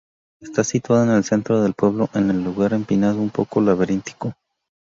Está situado en el centro del pueblo, en un lugar empinado, un poco laberíntico.